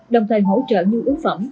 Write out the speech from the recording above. đồng thời hỗ trợ nhu ứng phẩm